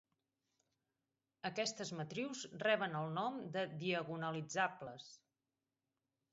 Aquestes matrius reben el nom de diagonalitzables.